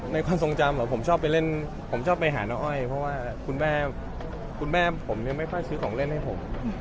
ความทรงจำผมชอบไปเล่นผมชอบไปหาน้องอ้อยเพราะว่าคุณแม่คุณแม่ผมยังไม่ค่อยซื้อของเล่นให้ผม